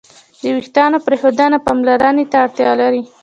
د وېښتیانو پرېښودنه پاملرنې ته اړتیا لري.